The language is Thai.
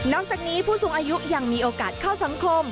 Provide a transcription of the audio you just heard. จากนี้ผู้สูงอายุยังมีโอกาสเข้าสังคม